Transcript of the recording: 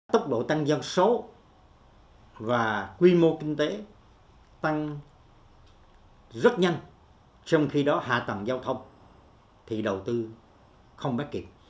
tốc độ tăng dân số và quy mô kinh tế tăng rất nhanh trong khi đó hạ tầng giao thông thì đầu tư không bắt kịp